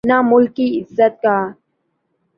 نہ ملک کی عزت کا۔